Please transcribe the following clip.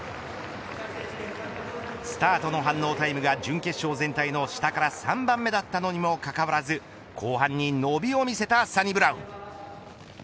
スタートの反応タイムが準決勝全体の下から３番目だったにもかかわらず後半に伸びを見せたサニブラウン。